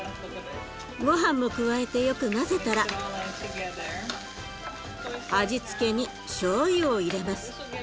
ごはんも加えてよく混ぜたら味付けにしょうゆを入れます。